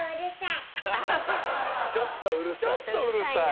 ちょっとうるさい。